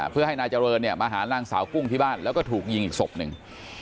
เพื่อให้นายเจริญเนี่ยมาหานางสาวกุ้งที่บ้านแล้วก็ถูกยิงอีกศพหนึ่ง